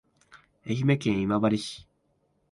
愛媛県今治市